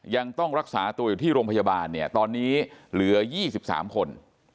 ยังต้องรักษาตัวอยู่ที่โรงพยาบาลเนี่ยตอนนี้เหลือ๒๓คน